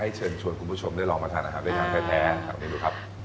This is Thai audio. ให้เชิญชวนคุณผู้ชมด้วยลองมาทานอาหารเวียดนามแท้